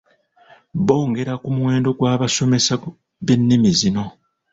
Bongera ku muwendo gw'abasomesa b'ennimi zino.